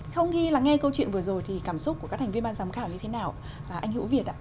không ghi là nghe câu chuyện vừa rồi thì cảm xúc của các thành viên ban giám khảo như thế nào anh hữu việt ạ